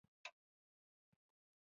خلک یې په زراعت کې هم کم نه دي.